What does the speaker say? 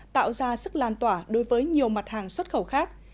tạo ra sức lan tỏa đối với nhiều mặt hàng xuất khẩu khác